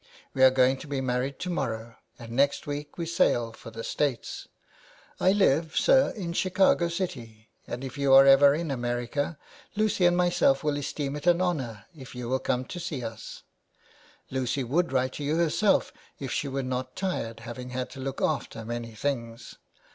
" 'We are going to be married to morrow, and next week we sail for the States. I live, sir, in Chicago City, and if you are ever in America Lucy and myself will esteem it an honour if you will come to see us, '*.* Lucy would write to you herself if she were not tired, having had to look after many things.